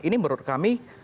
ini menurut kami